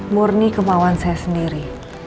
murni kemauan saya sendiri